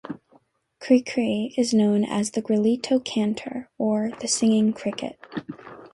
Cri-Cri is known as the "grillito cantor" or "the singing cricket".